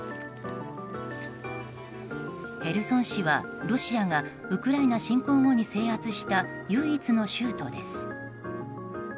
ヘルソン市は、ロシアがウクライナ侵攻後に制圧した唯一の州都です。